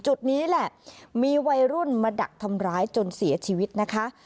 จุดนี้แหละมีวัยรุ่นมาดักทำร้ายจนเสียชีวิตนะคะ